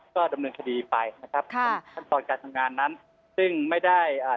ก็ดำเนินคดีไปนะครับค่ะตรงขั้นตอนการทำงานนั้นซึ่งไม่ได้อ่า